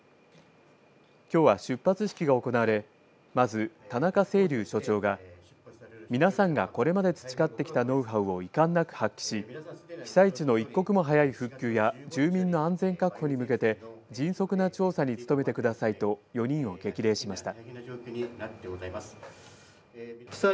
きょうは出発式が行われまず田中誠柳所長が皆さんがこれまで培ってきたノウハウを遺憾なく発揮し被災地の一刻も早い復旧や住民の安全確保に向けて迅速な調査に努めてくださいと４人を激励しました。